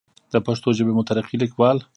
دَ پښتو ژبې مترقي ليکوال